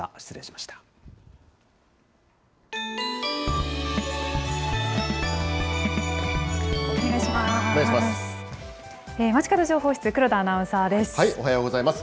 まちかど情報室、黒田アナウンサーです。